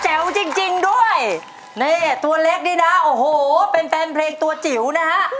วันนี้ตรงวันเล็กนะโอ้โหเป็นแฟนเพลงตัวจิ๋วนะฮะ